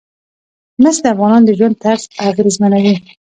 مس د افغانانو د ژوند طرز اغېزمنوي.